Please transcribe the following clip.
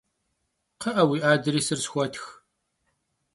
Kxhı'e, vui adrêsır sxuetx!